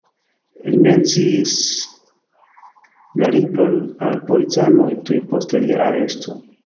Li menciis la libron al policanoj tuj post lia aresto.